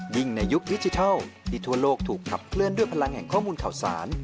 ยิ่งในยุคดิจิทัลที่ทั่วโลกถูกขับเคลื่อนด้วยพลังแห่งข้อมูลข่าวสาร